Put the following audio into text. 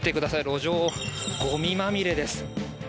路上、ごみまみれです。